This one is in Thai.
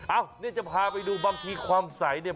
นี่จะพาไปดูบางทีความใสเนี่ย